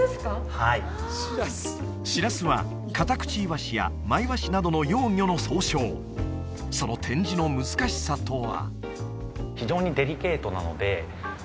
はいシラスはカタクチイワシやマイワシなどの幼魚の総称その展示の難しさとは？